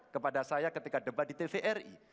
kepada saya ketika debat di tvri